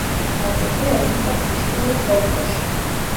აგრეთვე, აისახა ბაშკირულ ფოლკლორში.